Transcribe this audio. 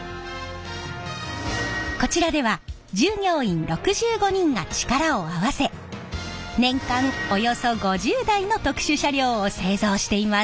こちらでは従業員６５人が力を合わせ年間およそ５０台の特殊車両を製造しています！